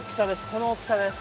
この大きさです、